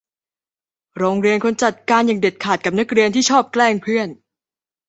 โรงเรียนควรจัดการอย่างเด็ดขาดกับนักเรียนที่ชอบแกล้งเพื่อน